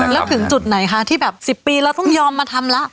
แล้วถึงจุดไหนคะที่แบบ๑๐ปีเราต้องยอมมาทำละ